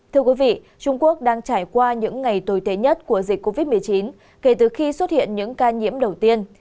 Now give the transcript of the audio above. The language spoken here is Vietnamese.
thưa quý vị trung quốc đang trải qua những ngày tồi tệ nhất của dịch covid một mươi chín kể từ khi xuất hiện những ca nhiễm đầu tiên